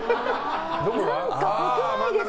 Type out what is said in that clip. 何かっぽくないですか？